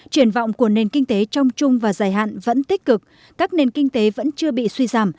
triển vọng của nền kinh tế trong chung và dài hạn vẫn tích cực các nền kinh tế vẫn chưa bị suy giảm